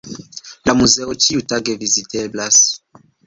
La muzeo ĉiutage viziteblas.